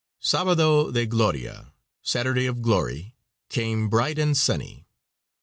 Sabado de Gloria (Saturday of Glory) came bright and sunny.